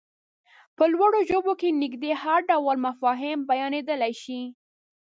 په لوړو ژبو کې نږدې هر ډول مفاهيم بيانېدلای شي.